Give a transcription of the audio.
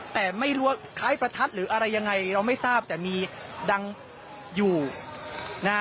แต่ไม่รู้ว่าคล้ายประทัดหรืออะไรยังไงเราไม่ทราบแต่มีดังอยู่นะฮะ